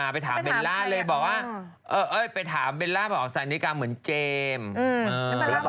ไปถามเบลล่าเลยบอกว่าไปถามเบลล่าบอกสานิกาเหมือนเจมส์